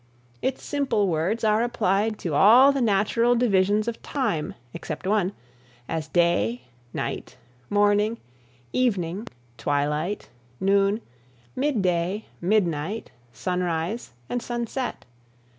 Its simple words are applied to all the natural divisions of time, except one, as day, night, morning, evening, twilight, noon, mid day, midnight, sunrise and sunset.